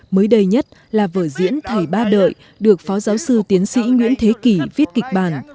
mới đây nhất là vở diễn thầy ba đợi được phó giáo sư tiến sĩ nguyễn thế kỷ viết kịch bản